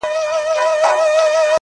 جهاني به کله یاد سي په نغمو کي په غزلو -